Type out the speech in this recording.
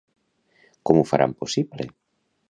Com ho faran possible?